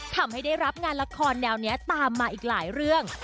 ทำให้ได้รับงานละครแนวนี้ตามมาอีกหลายเรื่อง